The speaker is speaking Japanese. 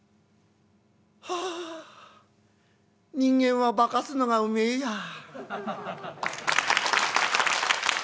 「はあ人間は化かすのがうめえや」。